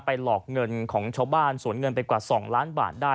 หลอกเงินของชาวบ้านสวนเงินไปกว่า๒ล้านบาทได้